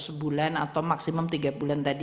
sebulan atau maksimum tiga bulan tadi